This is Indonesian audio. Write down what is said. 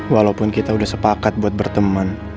walaupun kita udah sepakat buat berteman